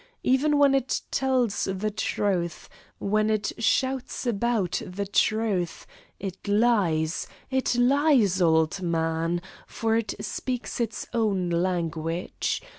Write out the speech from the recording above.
Even when it tells the truth, when it shouts about the truth, it lies, it lies, old man, for it speaks its own language.